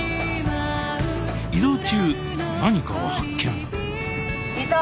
移動中何かを発見いた！